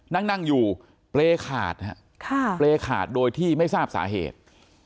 นั่งนั่งอยู่เปรย์ขาดเปรย์ขาดโดยที่ไม่ทราบสาเหตุ